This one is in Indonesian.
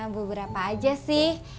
beberapa aja sih